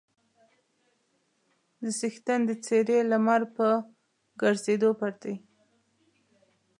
د څښتن د څېرې لمر په ګرځېدو پټ دی.